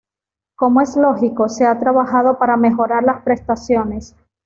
Como es lógico, se ha trabajado para mejorar las prestaciones.